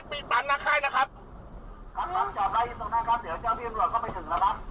ครับครับจอบรายยินตรงหน้ากลางเสือเจ้าพี่อำรวจเข้าไปถึงแล้วครับ